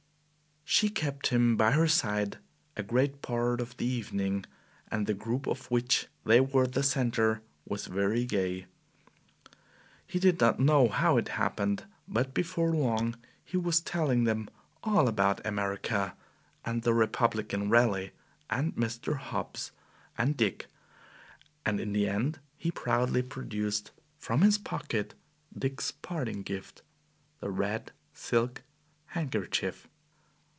She kept him by her side a great part of the evening, and the group of which they were the center was very gay. He did not know how it happened, but before long he was telling them all about America, and the Republican Rally, and Mr. Hobbs and Dick, and in the end he proudly produced from his pocket Dick's parting gift, the red silk handkerchief.